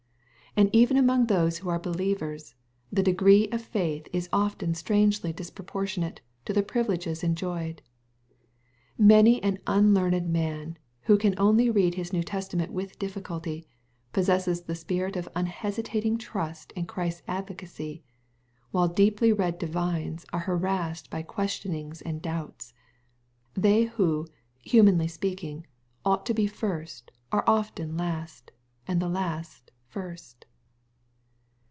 And even among those who are believers, the degree of faith is often strangely disproportionate to the privileges en joyed. Many an unlearned man, who can only read his New Testament with difficulty, posesses the spirit of unhesitating trust in Christ's advocacy, while deeply read divines are harassed by questionings and doubts. They who, humanly speaking, ought to be first, are often last, and the last first.